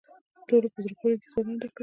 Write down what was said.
ټوله په زړه پورې کیسو لنډه کړه.